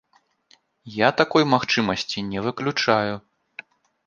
Я такой магчымасці не выключаю.